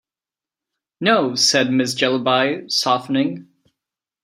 "No," said Miss Jellyby, softening.